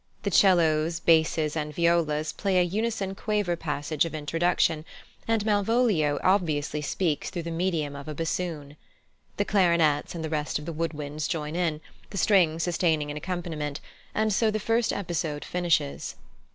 The 'cellos, basses, and violas play a unison quaver passage of introduction, and Malvolio obviously speaks through the medium of a bassoon. The clarinets and the rest of the wood wind join in, the strings sustaining an accompaniment; and so the first episode finishes.